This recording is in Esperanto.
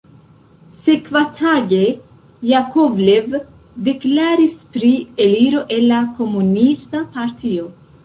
Sekvatage Jakovlev deklaris pri eliro el la komunista partio.